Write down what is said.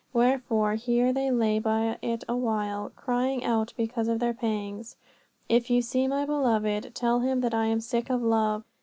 Wherefore here they lay by it awhile, crying out because of their pangs, If you see my beloved, tell him that I am sick of love.